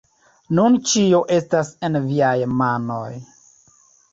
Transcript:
Nun ĉio estas en viaj manoj